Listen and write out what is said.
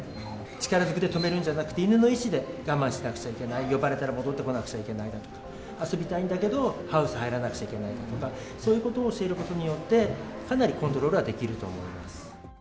力ずくで止めるんじゃなくて、犬の意思で我慢しなくちゃいけない、呼ばれたら戻ってこなくちゃいけないだとか遊びたいんだけどハウス入らなくちゃいけないだとか、そういうことを教えることによって、かなりコントロールはできると思います。